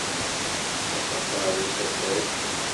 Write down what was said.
D axatar usatal.